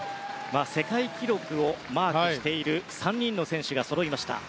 世界記録をマークしている３人の選手がそろいました。